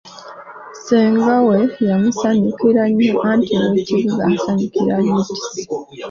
Ssenga we yamusanyukira nnyo anti ow'kibuga asanyukira yettise.